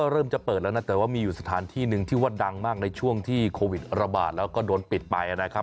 เริ่มจะเปิดแล้วนะแต่ว่ามีอยู่สถานที่หนึ่งที่ว่าดังมากในช่วงที่โควิดระบาดแล้วก็โดนปิดไปนะครับ